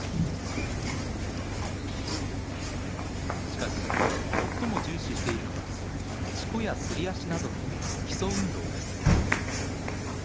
しかし最も重視しているのはしこやすり足などの基礎運動です。